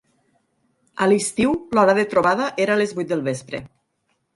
A l’estiu, l’hora de trobada era a les vuit del vespre.